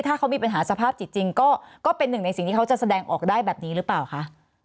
ถ้าเขามีปัญหาสภาพจิตจริงก็เป็นหนึ่งในสิ่งที่เขาจะแสดงออกได้แบบนี้หรือเปล่าคะ